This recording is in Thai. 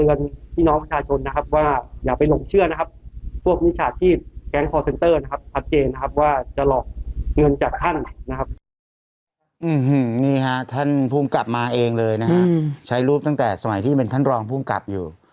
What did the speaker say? นี่ฮะท่านภูมิกลับมาเองเลยนะฮะใช้รูปตั้งแต่สมัยที่เป็นท่านรองภูมิกับอยู่